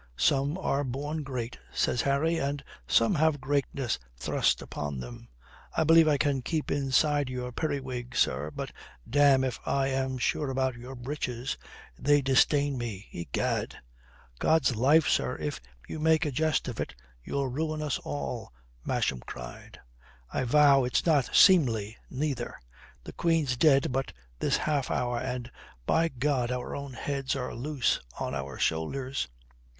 "Some are born great," says Harry, "and some have greatness thrust upon 'em. I believe I can keep inside your periwig, sir, but damme if I am sure about your breeches. They disdain me, egad." "God's life, sir, if you make a jest of it you'll ruin us all," Masham cried. "I vow it's not seemly, neither. The Queen's dead but this half hour, and and, by God, our own heads are loose on our shoulders."